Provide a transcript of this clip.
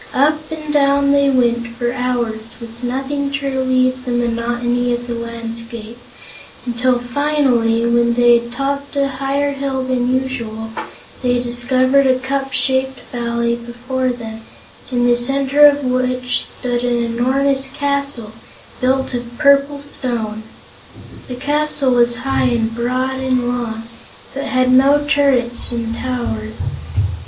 Up and down they went for hours, with nothing to relieve the monotony of the landscape, until finally, when they had topped a higher hill than usual, they discovered a cup shaped valley before them in the center of which stood an enormous castle, built of purple stone. The castle was high and broad and long, but had no turrets and towers.